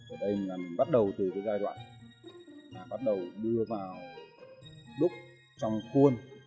ở đây mình bắt đầu từ cái giai đoạn bắt đầu đưa vào đúc trong cuôn